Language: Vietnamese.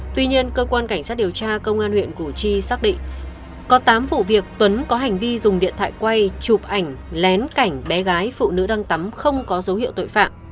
tuy nhiên cơ quan cảnh sát điều tra công an huyện củ chi xác định có tám vụ việc tuấn có hành vi dùng điện thoại quay chụp ảnh lén cảnh bé gái phụ nữ đang tắm không có dấu hiệu tội phạm